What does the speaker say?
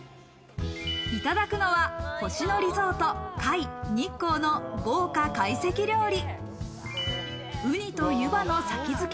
いただくのは「星野リゾート界日光」の豪華懐石料理。